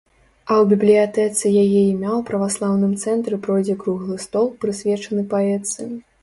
А ў бібліятэцы яе імя ў праваслаўным цэнтры пройдзе круглы стол, прысвечаны паэтцы.